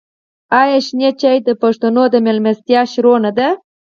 آیا شین چای د پښتنو د میلمستیا پیل نه دی؟